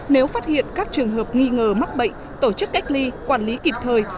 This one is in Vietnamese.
nếu phát hiện các trường hợp nghi ngờ mắc bệnh tổ chức cách ly quản lý kịp thời